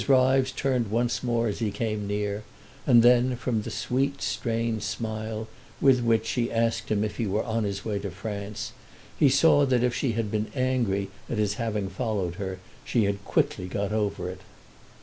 Ryves turned once more as he came near, and then, from the sweet, strained smile with which she asked him if he were on his way to France, he saw that if she had been angry at his having followed her she had quickly got over it.